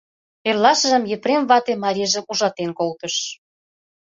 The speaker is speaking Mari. Эрлашыжым Епрем вате марийжым ужатен колтыш.